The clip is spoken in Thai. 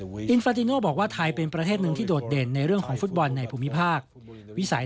วิสัยทัศน์ในการเพิ่มทีมเข้ารอบสุดท้ายจากภูมิภาคด้วย